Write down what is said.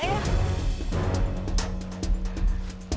saya obatin ya kek